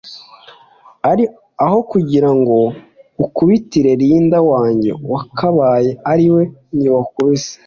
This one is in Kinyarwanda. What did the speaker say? aho kugira ngo unkubitire Linda wanjye wakabaye ari njye wakubise